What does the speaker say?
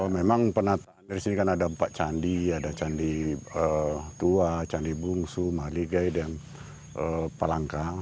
memang penataan dari sini kan ada empat candi ada candi tua candi bungsu maligai dan palangka